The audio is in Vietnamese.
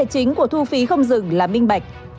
vấn đề chính của thu phí không dừng là minh bạch